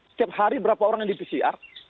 setiap hari berapa orang yang di pcr